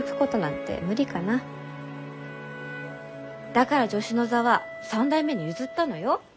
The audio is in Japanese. だから助手の座は３代目に譲ったのよ。